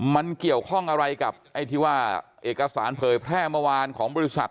มันเกี่ยวข้องอะไรกับไอ้ที่ว่าเอกสารเผยแพร่เมื่อวานของบริษัท